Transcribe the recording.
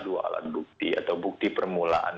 dua alat bukti atau bukti permulaan